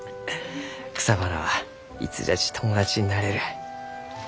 草花はいつじゃち友達になれる。